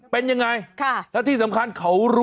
เบิร์ตลมเสียโอ้โห